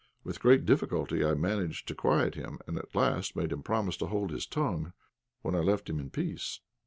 With great difficulty I managed to quiet him, and at last made him promise to hold his tongue, when I left him in peace.